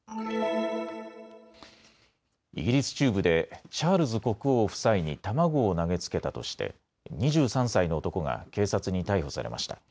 イギリス中部でチャールズ国王夫妻に卵を投げつけたとして２３歳の男が警察に逮捕されました。